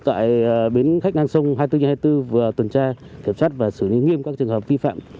tại bến khách ngang sông hai mươi bốn trên hai mươi bốn vừa tuần tra kiểm soát và xử lý nghiêm các trường hợp vi phạm